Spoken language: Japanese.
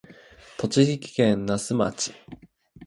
栃木県那須町